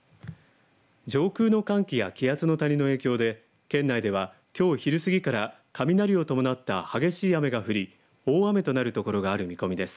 上空の寒気や気圧の谷の影響で県内では、きょう昼過ぎから雷を伴った激しい雨が降り大雨となるところがある見込みです。